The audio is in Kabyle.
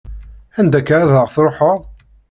Anda akka ar ad tṛuḥeḍ?